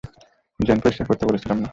Drain পরিষ্কার করতে বলেছিলাম না?